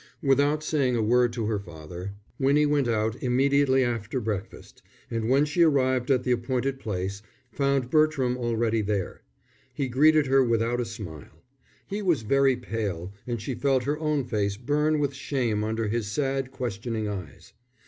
Without saying a word to her father, Winnie went out immediately after breakfast, and when she arrived at the appointed place, found Bertram already there. He greeted her without a smile. He was very pale and she felt her own face burn with shame under his sad, questioning eyes.